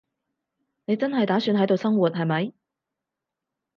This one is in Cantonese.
你真係打算喺度生活，係咪？